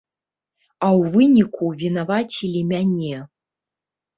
А ў выніку вінавацілі мяне!